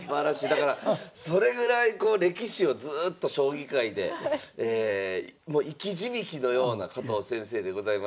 だからそれぐらいこう歴史をずっと将棋界で生き字引のような加藤先生でございますが。